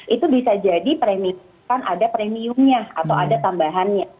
itu bisa jadi premiumkan ada premiumnya atau ada tambahannya